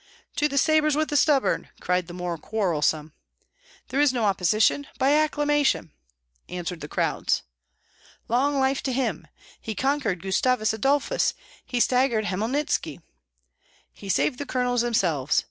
"To the sabres with the stubborn!" cried the more quarrelsome. "There is no opposition! By acclamation!" answered crowds. "Long life to him! He conquered Gustavus Adolphus! He staggered Hmelnitski!" "He saved the colonels themselves!"